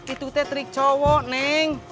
itu tetrik cowok neng